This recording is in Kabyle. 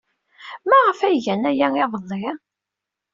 Maɣef ay gan aya iḍelli?